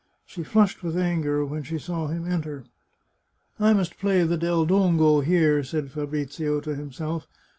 She flushed with anger when she saw him enter. " I must play the Del Dongo here," said Fabrizio to himself.